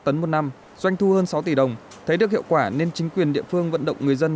một năm doanh thu hơn sáu tỷ đồng thấy được hiệu quả nên chính quyền địa phương vận động người dân